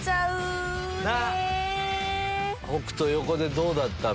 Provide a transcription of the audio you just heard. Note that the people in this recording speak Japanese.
北斗横でどうだった？